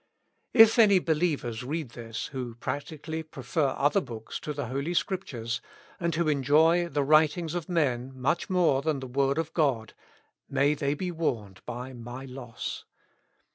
If any be lievers read this who practically prefer other books to the Holy Scriptures, and who enjoy the writings of men much more than the word of God, may they be warned by my loss.